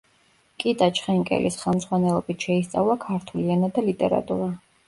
კიტა ჩხენკელის ხელმძღვანელობით შეისწავლა ქართული ენა და ლიტერატურა.